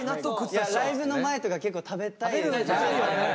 ライブの前とか結構食べたいですよね。